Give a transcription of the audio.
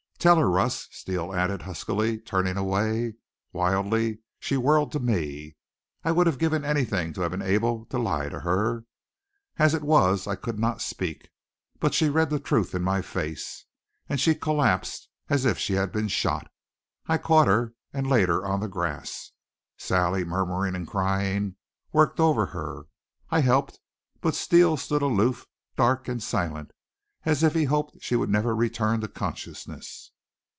"Tell her, Russ," Steele added huskily, turning away. Wildly she whirled to me. I would have given anything to have been able to lie to her. As it was I could not speak. But she read the truth in my face. And she collapsed as if she had been shot. I caught her and laid her on the grass. Sally, murmuring and crying, worked over her. I helped. But Steele stood aloof, dark and silent, as if he hoped she would never return to consciousness.